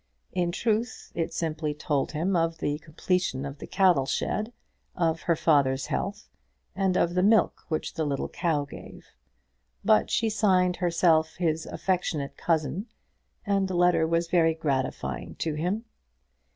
In truth, it simply told him of the completion of the cattle shed, of her father's health, and of the milk which the little cow gave; but she signed herself his affectionate cousin, and the letter was very gratifying to him.